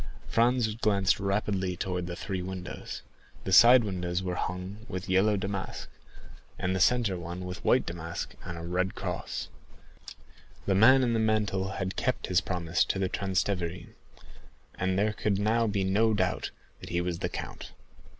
Franz glanced rapidly towards the three windows. The side windows were hung with yellow damask, and the centre one with white damask and a red cross. The man in the mantle had kept his promise to the Transteverin, and there could now be no doubt that he was the count.